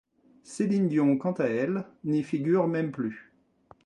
Céline Dion, quant à elle, n'y figure même plus.